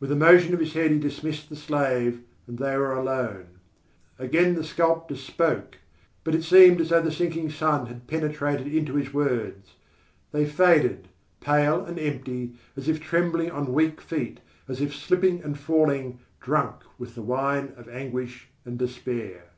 With a motion of his head he dismissed the slave, and they were alone. And again the sculptor spoke, but it seemed as though the sinking sun had penetrated into his words. They faded, pale and empty, as if trembling on weak feet, as if slipping and falling, drunk with the wine of anguish and despair.